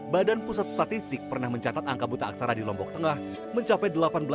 badan pusat statistik pernah mencatat angka buta aksara di lombok tengah mencapai delapan belas